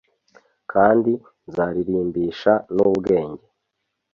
kandi nzaririmbisha n’ubwenge